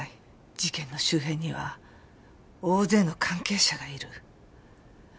事件の周辺には大勢の関係者がいる。